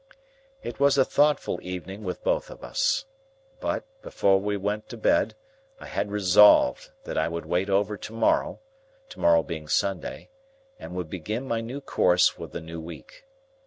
It was a thoughtful evening with both of us. But, before we went to bed, I had resolved that I would wait over to morrow,—to morrow being Sunday,—and would begin my new course with the new week.